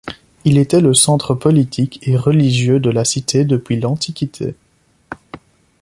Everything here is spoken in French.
Il était le centre politique et religieux de la cité depuis l’Antiquité.